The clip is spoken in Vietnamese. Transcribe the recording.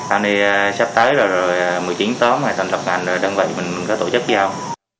sau này sắp tới rồi một mươi chín tóm thành lập ngành rồi đơn vị mình có tổ chức gì không